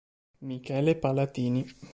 Michele Palatini